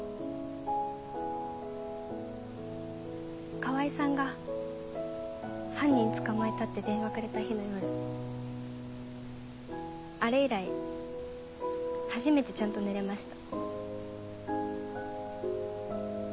川合さんが犯人捕まえたって電話くれた日の夜あれ以来初めてちゃんと寝れました。